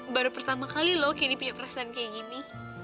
baru pertama kali loh kini punya perasaan kayak gini